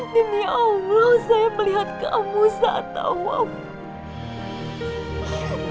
demi allah saya melihat kamu saat tawab